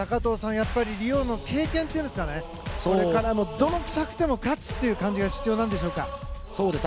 やっぱりリオの経験というんですか泥臭くても勝つという感じが必要なんでしょうか。